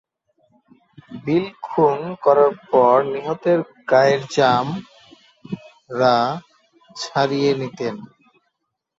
বিল খুন করার পর নিহতের গায়ের চাম, ড়া ছাড়িয়ে নিতেন।